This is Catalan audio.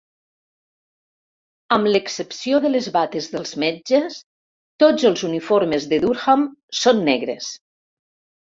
Amb l'excepció de les bates dels metges, tots els uniformes de Durham són negres.